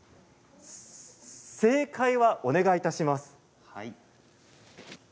正解は、お願いいたします。